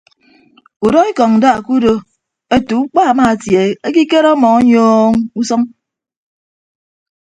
Udọ ekọñ nda ke udo ete ukpa amaatie ekikere ọmọ ọnyọọñ usʌñ.